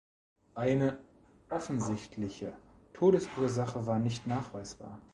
Eine offensichtliche Todesursache war nicht nachweisbar.